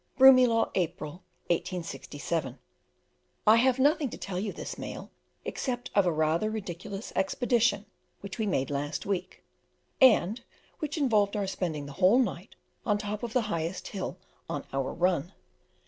Broomielaw, April 1867. I have nothing to tell you this mail, except of a rather ridiculous expedition which we made last week, and which involved our spending the whole night on the top of the highest hill on our run.